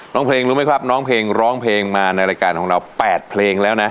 เพลงรู้ไหมครับน้องเพลงร้องเพลงมาในรายการของเรา๘เพลงแล้วนะ